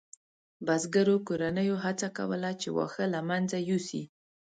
بزګرو کورنیو هڅه کوله چې واښه له منځه یوسي.